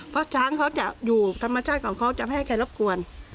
เพราะช้างเขาจะอยู่ธรรมชาติของเขาจะแพ้แกล็บคน